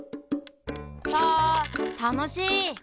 サたのしい！